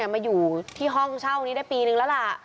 มาอยู่ที่ห้องเช่านี้ได้ปีนึงแล้วล่ะ